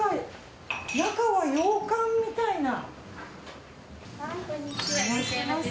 中は洋館みたいな。